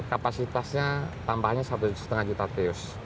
kapasitasnya tambahnya satu lima juta teus